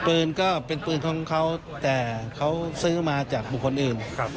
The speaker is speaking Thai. ปืนก็เป็นปืนของเขาแต่เขาซื้อมาจากบุคคลอื่น